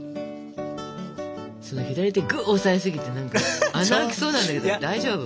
その左手ぐ押さえすぎて何か穴開きそうなんだけど大丈夫？